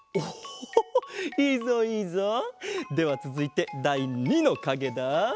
おいいぞいいぞ。ではつづいてだい２のかげだ。